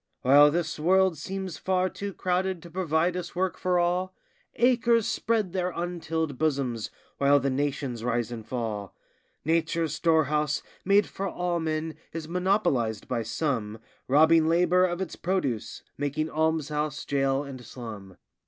While this world seems far too crowded to provide us work for all, Acres spread their untilled bosoms, while the nations rise and fall. Nature's storehouse, made for all men, is monopolized by some, Robbing labor of its produce, making almshouse, jail, and slum.